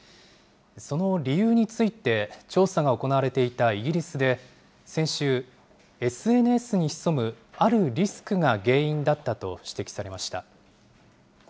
その理由について、調査が行われていたイギリスで先週、ＳＮＳに潜むあるリスクが原因だったと指摘されました。